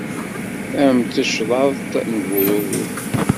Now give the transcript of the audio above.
Am tecḍaḍt n bururu.